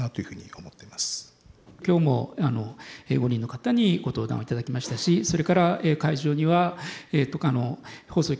今日も５人の方にご登壇をいただきましたしそれから会場にはほかの放送局